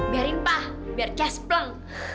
biar impah biar caspleng